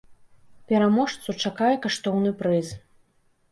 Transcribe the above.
Пераможцу чакае каштоўны прыз.